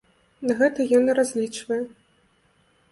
На гэта ён і разлічвае.